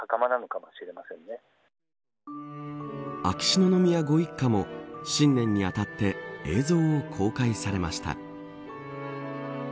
秋篠宮ご一家も新年にあたって映像を公開されました。